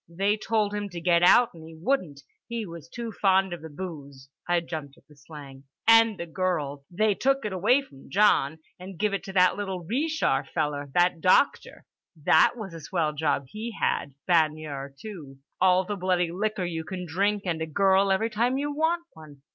They told him to get out and he wouldn't, he was too fond of the booze" (I jumped at the slang) "and the girls. They took it away from John and give it to that little Ree shar feller, that doctor. That was a swell job he had, baigneur, too. All the bloody liquor you can drink and a girl every time you want one.